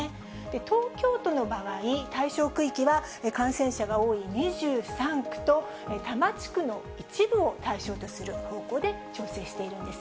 東京都の場合、対象区域は、感染者が多い２３区と、多摩地区の一部を対象とする方向で調整しているんです。